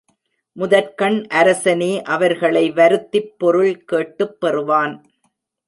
முதற்கண் அரசனே அவர்களை வருத்திப் பொருள் கேட்டுப் பெறுவான்.